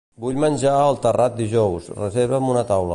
Vull menjar al Terrat dijous, reserva'm una taula.